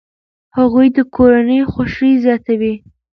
هغوی د کورنۍ خوښي زیاتوي.